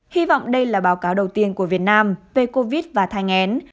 hy vọng đây là báo cáo đầu tiên của việt nam về covid và thai ngén